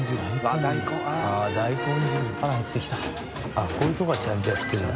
あっこういうところはちゃんとやってるんだ。